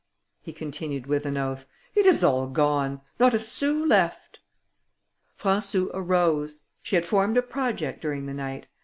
he continued with an oath, "it is all gone: not a sous left!" Françou arose; she had formed a project during the night.